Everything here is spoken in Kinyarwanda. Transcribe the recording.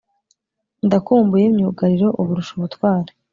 ndakumbuye myugariro uburusha ubutwari.....